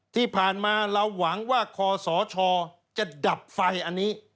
ที่ผ่านมาเราหวังว่าคอสชจะดับไฟอันนี้